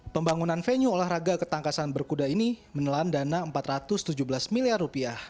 pembangunan venue olahraga ketangkasan berkuda ini menelan dana rp empat ratus tujuh belas miliar